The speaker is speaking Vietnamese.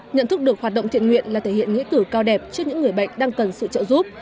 nhận thức được hoạt động thiện nguyện là thể hiện nghĩa cử cao đẹp trước những người bệnh đang cần sự trợ giúp